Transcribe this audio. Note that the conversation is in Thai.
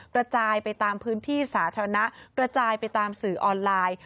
กระจายไปตามพื้นที่สาธารณะกระจายไปตามสื่อออนไลน์